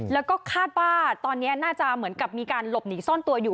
แล้วก็คาดว่าตอนนี้น่าจะเหมือนกับมีการหลบหนีซ่อนตัวอยู่